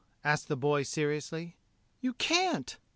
^" asked the boy seriously. "You can't!"